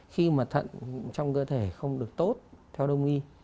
khi mà thận trong cơ thể không được tốt theo đồng nghi